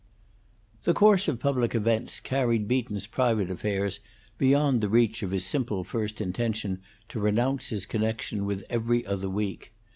The course of public events carried Beaton's private affairs beyond the reach of his simple first intention to renounce his connection with 'Every Other Week.'